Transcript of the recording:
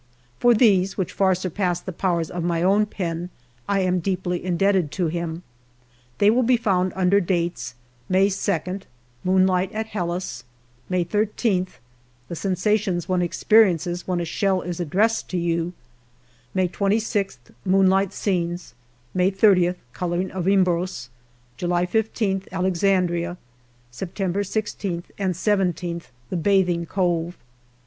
For these, which far surpass the powers of my own pen, I am deeply indebted to him. They will be found under dates : May 2nd Moonlight at Helles ; May *3th, The sensations one experiences when a shell is addressed to you ; May 2,6th, Moonlight scenes ; May 30th, Colouring of Imbros ; July i^th, Alexandria ; Sep tember j.6th and ijth, The bathing cove.